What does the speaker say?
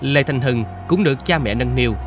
lê thanh hưng cũng được cha mẹ nâng niu